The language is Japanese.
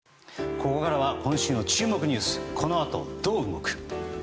ここからは今週の注目ニュースこの後どう動く？